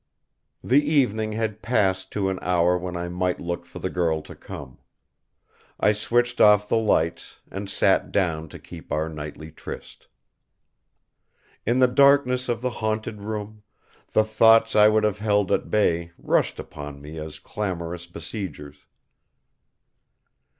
The evening had passed to an hour when I might look for the girl to come. I switched off the lights, and sat down to keep our nightly tryst. In the darkness of the haunted room, the thoughts I would have held at bay rushed upon me as clamorous besiegers.